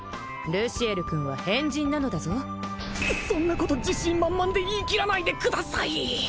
ルシエル君は変人なのだぞそんなこと自信満々で言い切らないでください